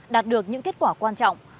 đạt được những kết quả quan trọng